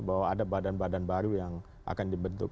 bahwa ada badan badan baru yang akan dibentuk